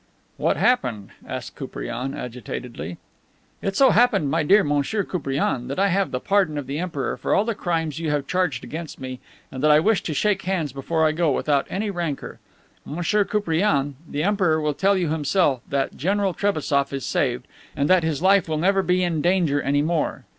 "What happened?" asked Koupriane agitatedly. "It so happened, my dear Monsieur Koupriane, that I have the pardon of the Emperor for all the crimes you have charged against me, and that I wish to shake hands before I go, without any rancor. Monsieur Koupriane, the Emperor will tell you himself that General Trebassof is saved, and that his life will never be in danger any more.